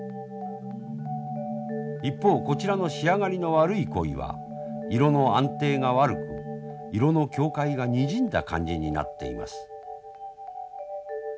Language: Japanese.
一方こちらの仕上がりの悪い鯉は色の安定が悪く色の境界がにじんだ感じになっています。